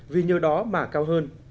vì như đó mà cao hơn